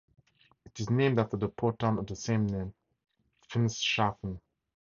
It is named after the port town of the same name, Finschhafen.